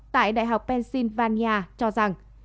tại đại học pennsylvania cho rằng